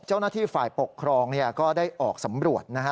เจ้าหน้าที่ฝ่ายปกครองก็ได้ออกสำรวจนะฮะ